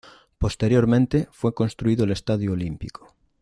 Posteriormente, fue construido el estadio olímpico.